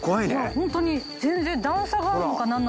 ホントに全然段差があるのかな